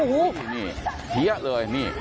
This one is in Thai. โอ้โฮนี่